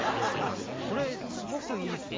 これすごくいいですね。